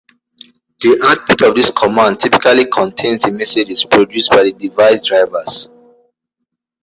The output of this command typically contains the messages produced by the device drivers.